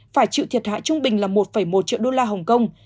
phải chịu thiệt hại trung bình là một một triệu đô la hồng kông